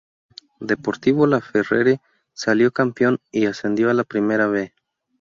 Deportivo Laferrere salió campeón y ascendió a la Primera B